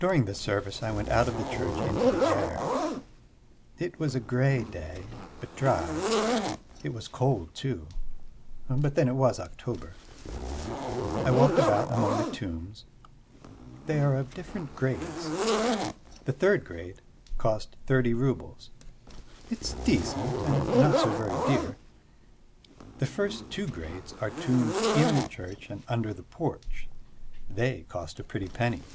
During the service I went out of the church into the air: it was a grey day, but dry. It was cold too, but then it was October. I walked about among the tombs. They are of different grades. The third grade cost thirty roubles; it's decent and not so very dear. The first two grades are tombs in the church and under the porch; they cost a pretty penny.